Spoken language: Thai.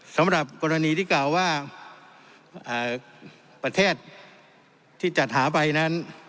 สำหรับกรณีที่กล่าวว่าประเทศที่จัดหาไปนั้น